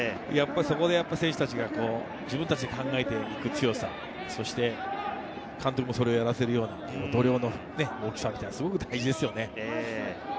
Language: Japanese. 選手達が自分たちが考えていく強さ、そして監督も、それをやらせるような度量の大きさも大事ですよね。